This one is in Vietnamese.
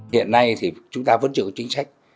hiện nay chúng ta vẫn chưa có chính sách